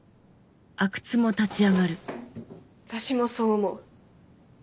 私もそう思う。